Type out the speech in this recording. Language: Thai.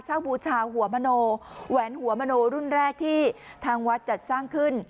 บูชาหัวมโนแหวนหัวมโนรุ่นแรกที่ทางวัดจัดสร้างขึ้น